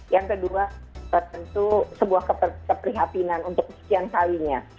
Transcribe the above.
yang kedua tentu sebuah keprihatinan untuk kesekian kalinya